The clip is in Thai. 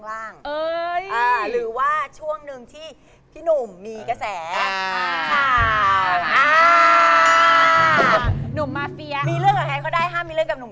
แล้วคนข้างในกี่คนอะ